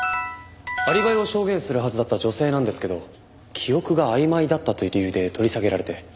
アリバイを証言するはずだった女性なんですけど記憶があいまいだったという理由で取り下げられて。